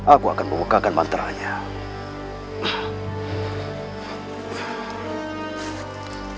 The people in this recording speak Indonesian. aku akan membuka mantra itu